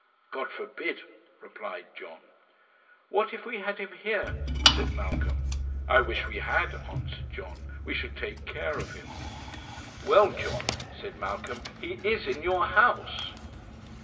'God forbid!' replied John. 'What if we had him here?' said Malcolm. 'I wish we had,' answered John; 'we should take care of him.' 'Well, John,' said Malcolm, 'he is in your house.'